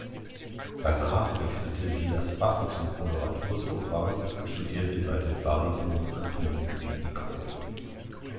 Danach wechselte sie das Fach zum Koloratursopran und studierte bei dem Bariton Antonio Pini-Corsi.